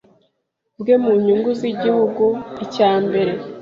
bwe mu nyungu z’igihugu: icya mbere